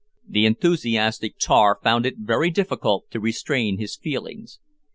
The enthusiastic tar found it very difficult to restrain his feelings.